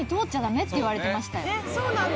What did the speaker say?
えっそうなんだ。